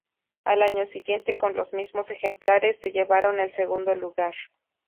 Al año siguiente, con los mismos ejemplares se llevaron el segundo lugar.